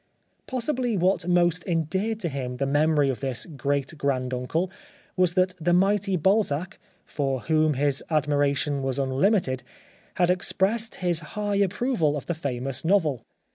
Possibly 38 The Life of Oscar Wilde what most endeared to him the memory of this great grand uncle was that the mighty Balzac, for whom his admiration was unlimited, had ex pressed his high approval of the famous novel.